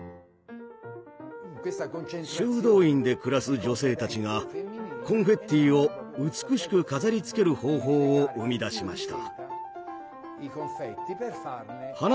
修道院で暮らす女性たちがコンフェッティを美しく飾りつける方法を生み出しました。